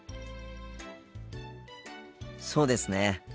そうですね。